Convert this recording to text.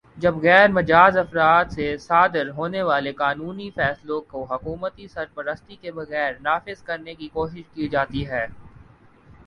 جب غیر مجازافراد سے صادر ہونے والے قانونی فیصلوں کو حکومتی سرپرستی کے بغیر نافذ کرنے کی کوشش کی جاتی ہے